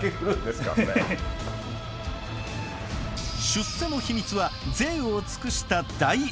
出世の秘密は贅を尽くした大宴会！？